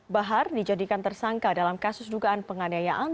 bahar dijadikan tersangka dalam kasus dugaan penganiayaan